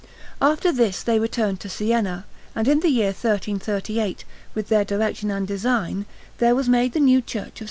After this they returned to Siena, and in the year 1338, with their direction and design, there was made the new Church of S.